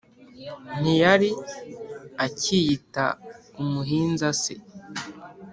ntiyari acyiyita umuhinza se,